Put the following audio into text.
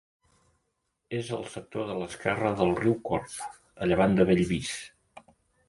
És al sector de l'esquerra del riu Corb, a llevant de Bellvís.